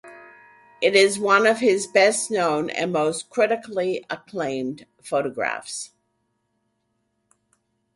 It is one of his best known and most critically acclaimed photographs.